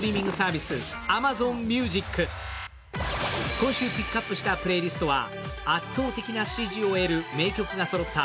今週ピックアップしたプレイリストは圧倒的な支持を得る名曲がそろった